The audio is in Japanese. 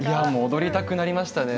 踊りたくなりましたね